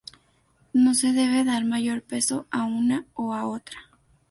No se debe dar mayor peso a una o a otra.